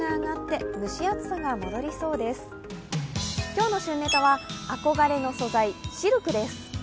今日の旬ネタは憧れの素材シルクです。